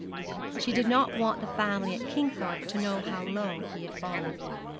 She did not want the family at Kingthorpe to know how low he had fallen.